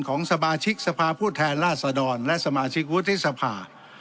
ของสมาชิกสภาพผู้แทนราชดรและสมาชิกวุฒิสภา